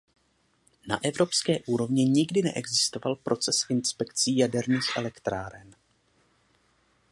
Na evropské úrovni nikdy neexistoval proces inspekcí jaderných elektráren.